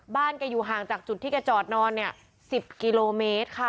แกอยู่ห่างจากจุดที่แกจอดนอนเนี่ย๑๐กิโลเมตรค่ะ